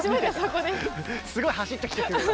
すごい走ってきてくれた。